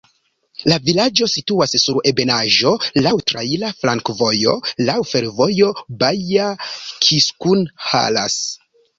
La vilaĝo situas sur ebenaĵo, laŭ traira flankovojo, laŭ fervojo Baja-Kiskunhalas.